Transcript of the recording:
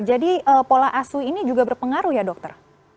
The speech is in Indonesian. jadi pola asu ini juga berpengaruh ya dokter